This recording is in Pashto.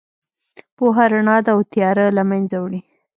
پوهه رڼا ده او تیاره له منځه وړي.